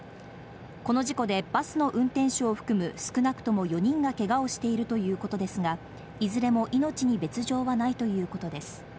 この事故でバスの運転手を含む、少なくとも４人がケガをしているということですが、いずれも命に別条はないということです。